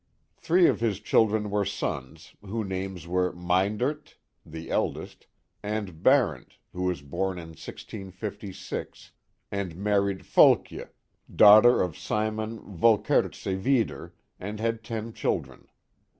Three of his children were sons, whose names were Myndert, the eldest, and Barent, who was born in 1656, and married Folkje, daughter of Symon Volkertse Veeder, and had ten children.